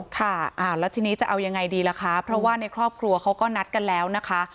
ค่ะแล้วทีนี้จะเอายังไงดีล่ะคะเพราะว่าในครอบครัวเขาก็นัดกันแล้วนะคะ